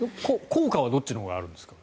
効果はどっちのほうがあるんですか？